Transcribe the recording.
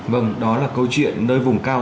vâng đó là câu chuyện nơi vùng cao